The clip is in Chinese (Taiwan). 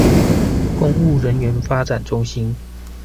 公務人力發展中心